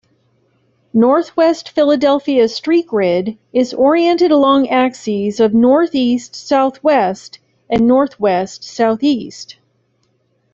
Northwest Philadelphia's street grid is oriented along axes of northeast-southwest and northwest-southeast.